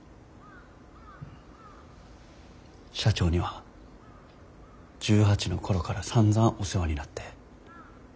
社長には１８の頃からさんざんお世話になって。